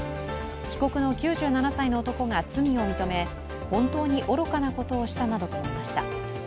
被告の９７歳の男が罪を認め、本当に愚かなことをしたなどと述べました。